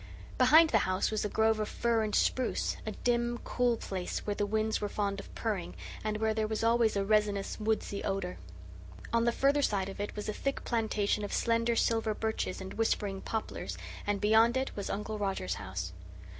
Behind the house was a grove of fir and spruce, a dim, cool place where the winds were fond of purring and where there was always a resinous, woodsy odour. On the further side of it was a thick plantation of slender silver birches and whispering poplars; and beyond it was Uncle Roger's house.